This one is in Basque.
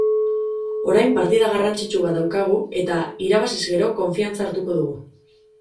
Orain partida garrantzitsu bat daukagu eta irabaziz gero konfiantza hartuko dugu.